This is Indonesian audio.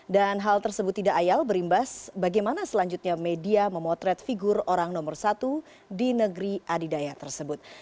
dan hal tersebut tidak ayal berimbas bagaimana selanjutnya media memotret figur orang nomor satu di negeri adidaya tersebut